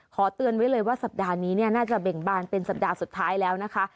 เตือนไว้เลยว่าสัปดาห์นี้เนี่ยน่าจะเบ่งบานเป็นสัปดาห์สุดท้ายแล้วนะคะ